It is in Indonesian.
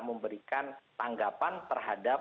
memberikan tanggapan terhadap